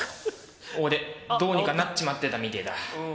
俺、どうにかなっちまってたみてえだ。